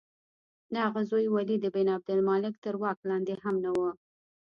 د هغه د زوی ولید بن عبدالملک تر واک لاندې هم نه وه.